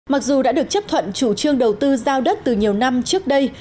mặc dù đã được chấp thuận chủ trương đầu tư giao đất từ nhiều năm trước đây